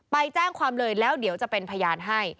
ไปแจ้งความเลยแล้วเดี๋ยวจะเป็นพยานให้